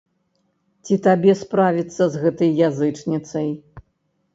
Ці табе справіцца з гэтай язычніцай?